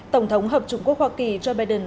tổng thống hợp chủng quốc hoa kỳ joe biden